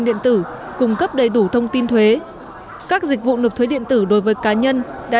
điện tử cung cấp đầy đủ thông tin thuế các dịch vụ nộp thuế điện tử đối với cá nhân đã